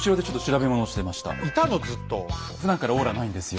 ふだんからオーラないんですよ。